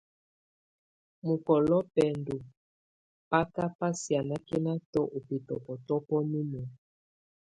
Mɔkɔlɔ bendu baka ba sianakɛna ɔ bɛtɔbɔtɔbɔ numə.